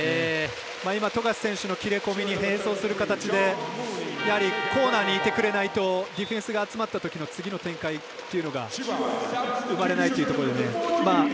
富樫選手の切れ込みに並走する形でコーナーにいてくれないとディフェンスが集まったときの次の展開っていうのが生まれないというところで。